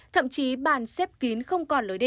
thậm chí bàn xếp kín không còn lối đi